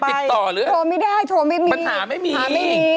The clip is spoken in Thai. ติดต่อหรือโทรไม่ได้โทรไม่มีหามายมี